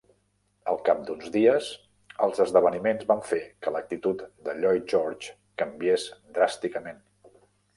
Al cap d'uns dies, els esdeveniments van fer que l'actitud de Lloyd George canviés dràsticament.